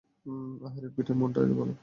আহারে, পিটের মনটা এত ভালো।